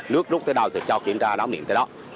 nước rút thế nào thì cho kiểm tra đón điện thế đó